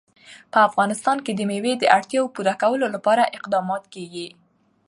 په افغانستان کې د مېوې د اړتیاوو پوره کولو لپاره اقدامات کېږي.